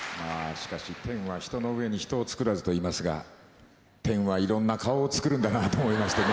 しかし「天は人の上に人を造らず」といいますが天はいろんな顔を造るんだなと思いましてね。